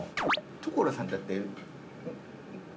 所さんだって。